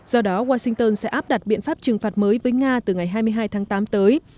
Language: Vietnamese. do đó washington sẽ áp đặt biện pháp trừng phạt mới với nga từ ngày hai mươi hai tháng tám tới